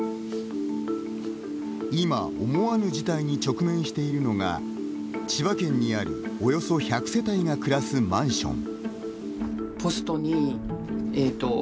今、思わぬ事態に直面しているのが、千葉県にあるおよそ１００世帯が暮らすマンション。